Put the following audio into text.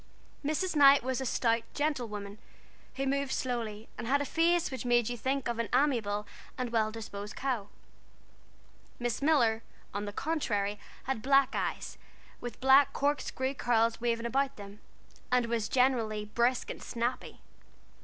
Mrs. Knight was a stout, gentle woman, who moved slowly, and had a face which made you think of an amiable and well disposed cow. Miss Miller, on the contrary, had black eyes, with black corkscrew curls waving about them, and was generally brisk and snappy.